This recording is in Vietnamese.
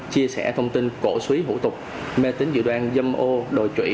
chia sẻ thông tin cổ suy hữu tục mê tính dị đoan dâm ô đuổi trị